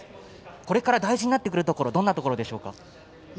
これから大事になってくるところどんなところでしょうか？